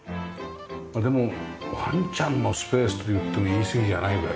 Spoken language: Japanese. まあでもワンちゃんのスペースと言っても言いすぎじゃないぐらいですよね。